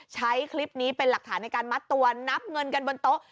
ใช้คลิปนี้เป็นหลักฐานในการมัดตัวนับเงินกันบนโต๊ะ